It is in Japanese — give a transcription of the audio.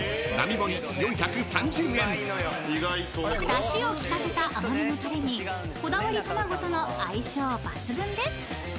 ［だしを利かせた甘めのたれにこだわり卵との相性抜群です］